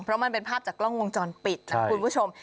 เพราะมันเป็นภาพจากกล้องวงจรปิดนะคุณผู้ชม